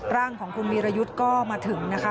ร่างของคุณวีรยุทธ์ก็มาถึงนะคะ